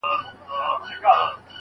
او تاسي هم آمین راسره وکړئ.